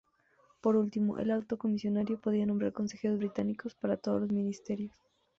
Por último, el Alto Comisario podría nombrar Consejeros británicos para todos los ministerios.